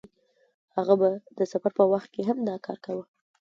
هغه به د سفر په وخت هم دا کار کاوه.